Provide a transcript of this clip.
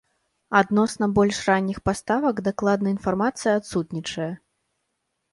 Адносна больш ранніх паставак дакладная інфармацыя адсутнічае.